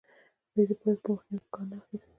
دوی د پرېکړو په مخنیوي کې کار نه اخیست.